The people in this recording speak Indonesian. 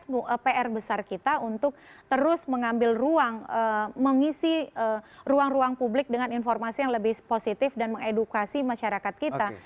ini adalah pr besar kita untuk terus mengambil ruang mengisi ruang ruang publik dengan informasi yang lebih positif dan mengedukasi masyarakat kita